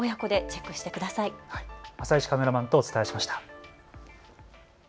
浅石カメラマンとお伝えしました。